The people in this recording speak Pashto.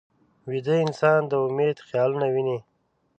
ویده انسان د امید خیالونه ویني